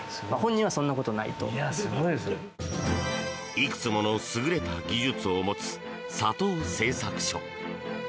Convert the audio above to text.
いくつもの優れた技術を持つ佐藤製作所。